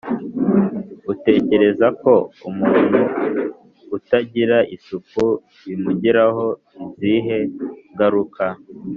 Utekereza ko umuntu utagira isuku bimugiraho izihe ngaruka?